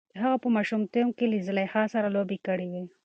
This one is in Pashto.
هغه په ماشومتوب کې له زلیخا سره لوبې کړې وې.